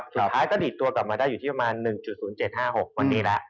สุดท้ายก็ดีดตัวกลับมาได้อยู่ที่ประมาณ๑๐๗๕๖วันนี้แล้ว